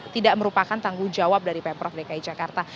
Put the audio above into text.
tidak merupakan tanggung jawab dari pemprov dki jakarta